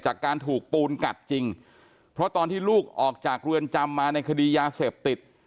จากการถูกปูนกัดจริงเพราะตอนที่ลูกออกจากเรือนจำมาในคดียาเสพติด